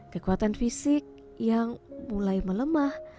kekuatan fisik yang mulai melemah